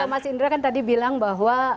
mas indra kan tadi bilang bahwa